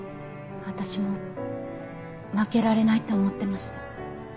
私も負けられないって思ってました。